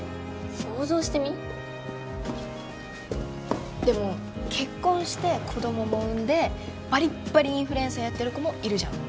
想像してみでも結婚して子供も産んでバリッバリインフルエンサーやってる子もいるじゃん